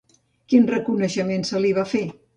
Quin reconeixement se li va fer?